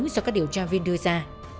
do các điều tra viên đưa ra